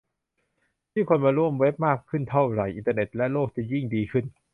ยิ่งคนมาเข้าร่วมเว็บมากขึ้นเท่าไร อินเทอร์เน็ตและโลกจะยิ่งดีขึ้น